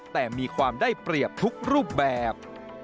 แต่มีความได้เปรียบทุกรูปแบบ